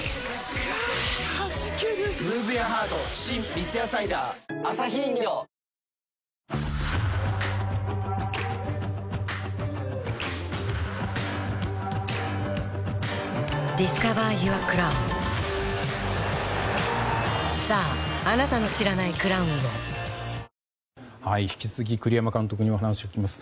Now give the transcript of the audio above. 三ツ矢サイダー』引き続き栗山監督にお話を聞きます。